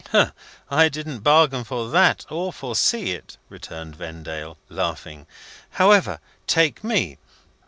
"I didn't bargain for that, or foresee it," returned Vendale, laughing. "However, take me.